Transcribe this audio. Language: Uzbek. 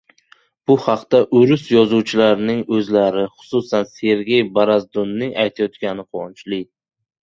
Bu haqda o‘rus yozuvchilarining o‘zlari, xususan Sergey Barazdunning aytayotgani quvonchli.